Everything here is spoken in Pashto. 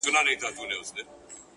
اوس مي تعويذ له ډېره خروښه چاودي.